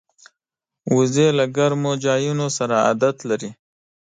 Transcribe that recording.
وزې له ګرمو ځایونو سره عادت لري